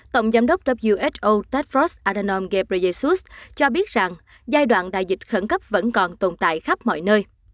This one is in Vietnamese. tổng giám đốc who tedros adhanom ghebreyesus cho biết rằng giai đoạn đại dịch khẩn cấp vẫn còn tồn tại khắp mọi nơi